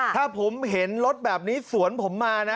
ถ้าผมเห็นรถแบบนี้สวนผมมานะ